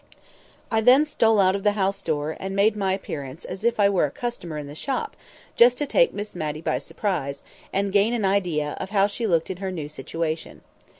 I then stole out of the house door, and made my appearance as if I were a customer in the shop, just to take Miss Matty by surprise, and gain an idea of how she looked in her new situation.